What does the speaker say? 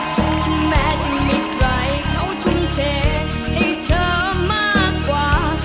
ถึงแม้จะมีใครเขาทุ่มเทให้เธอมากกว่า